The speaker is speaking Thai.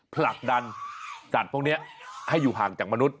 ผลักดันสัตว์พวกนี้ให้อยู่ห่างจากมนุษย